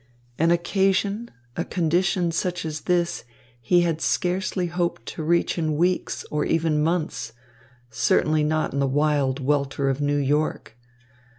An occasion, a condition such as this he had scarcely hoped to reach in weeks, or even months, certainly not in the wild welter of New York.